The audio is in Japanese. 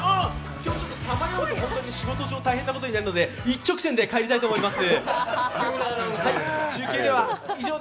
今日ちょっとさまようと仕事上、大変なことになるので一直線で帰りたいと思います。